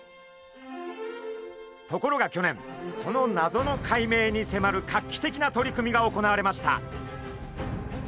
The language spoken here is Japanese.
ところが去年その謎の解明にせまる画期的な取り組みが行われました。